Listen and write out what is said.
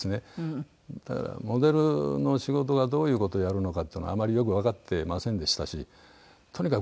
モデルの仕事がどういう事をやるのかっていうのはあまりよくわかってませんでしたしとにかく